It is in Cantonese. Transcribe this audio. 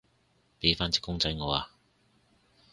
畀返隻公仔我啊